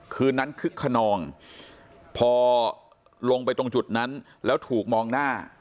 คืนนั้นคึกขนองพอลงไปตรงจุดนั้นแล้วถูกมองหน้า